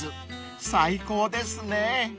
最高ですね！］